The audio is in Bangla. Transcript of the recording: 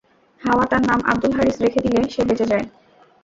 হাওয়া তার নাম আবদুল হারিছ রেখে দিলে সে বেঁচে যায়।